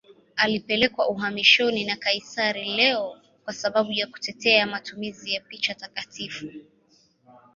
Alipelekwa uhamishoni na kaisari Leo V kwa sababu ya kutetea matumizi ya picha takatifu.